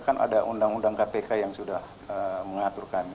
kan ada undang undang kpk yang sudah mengatur kami